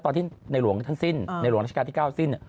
ตอนที่ในหลวงท่านสิ้นในหลวงราชการที่๙สิ้น